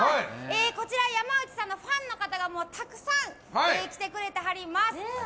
こちら、山内さんのファンの方がたくさん来てくれてはります。